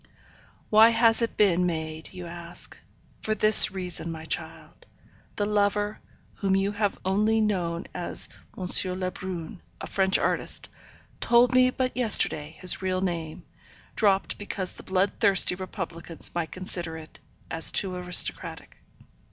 Why has it been made, you ask. For this reason, my child. The lover, whom you have only known as M. Lebrun, a French artist, told me but yesterday his real name, dropped because the blood thirsty republicans might consider it as too aristocratic.